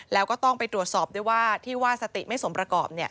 แล้วก็ต้องไปตรวจสอบด้วยว่าที่ว่าสติไม่สมประกอบ